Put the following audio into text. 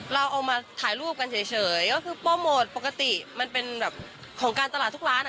เราเอามาถ่ายรูปกันเฉยก็คือโปรโมทปกติมันเป็นแบบของการตลาดทุกร้านอ่ะ